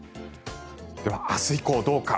では、明日以降どうか。